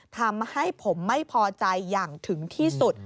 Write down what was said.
ทำให้ผมไม่พอใจอย่างถึงที่สุด